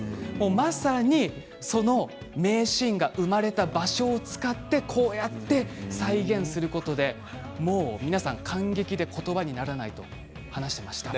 まさに、その名シーンが生まれた場所を使ってこうやって再現することで皆さん感激で、ことばにならないと話していました。